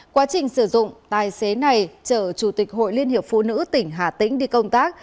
quá trình sử dụng tài xế này chở chủ tịch hội liên hiệp phụ nữ tỉnh hà tĩnh đi công tác